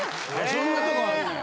そんなとこあるねや。